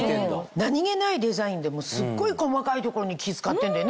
何げないデザインでもすっごい細かい所に気使ってんだよね